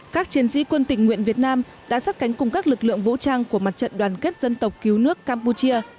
các chiến sĩ quân tỉnh nguyện việt nam đã sát cánh cùng các lực lượng vũ trang của mặt trận đoàn kết dân tộc cứu nước campuchia